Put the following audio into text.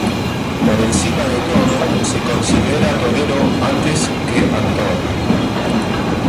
Por encima de todo se considera torero antes que actor.